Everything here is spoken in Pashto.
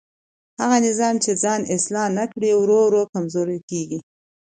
هغه نظام چې ځان اصلاح نه کړي ورو ورو کمزوری کېږي